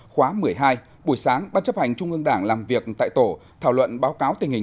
khóa một mươi hai buổi sáng ban chấp hành trung ương đảng làm việc tại tổ thảo luận báo cáo tình hình